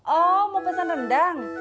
oh mau pesan rendang